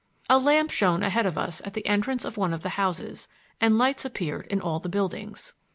A lamp shone ahead of us at the entrance of one of the houses, and lights appeared in all the buildings.